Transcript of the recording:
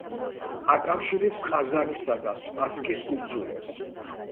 აკავშირებს ყაზანისა და სპასკის კუნძულებს.